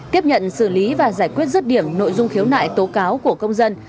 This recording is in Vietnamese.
tiếp nhận xử lý và giải quyết rứt điểm nội dung khiếu nại tố cáo của công dân